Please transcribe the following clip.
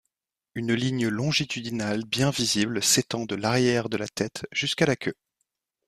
Une ligne longitudinale bien visible s'étend de l'arrière de la tête jusqu'à la queue.